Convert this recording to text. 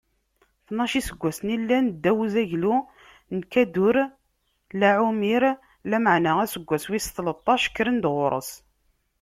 Tnac n iseggasen i llan ddaw n uzaglu n Kadurlaɛumir, lameɛna aseggas wis tleṭṭac, kkren-d ɣur-s.